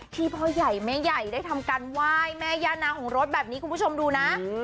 พ่อใหญ่แม่ใหญ่ได้ทำการไหว้แม่ย่านาของรถแบบนี้คุณผู้ชมดูนะ